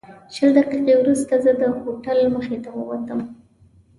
شل دقیقې وروسته زه د هوټل مخې ته ووتم.